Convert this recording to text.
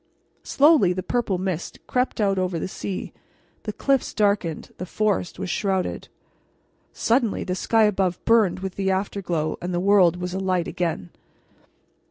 Slowly the purple mist crept out over the sea; the cliffs darkened; the forest was shrouded. Suddenly the sky above burned with the afterglow, and the world was alight again.